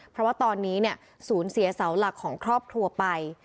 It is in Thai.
เพราะว่าตอนนี้สูญเสียเสาหลักของครอบครัวไป